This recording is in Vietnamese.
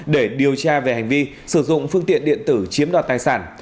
để điều tra về hành vi sử dụng phương tiện điện tử chiếm đoạt tài sản